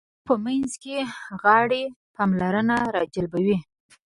د غرونو په منځ کې غارې پاملرنه راجلبوي.